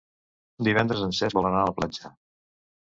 Divendres en Cesc vol anar a la platja.